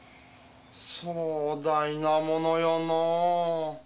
壮大なものよのぅ。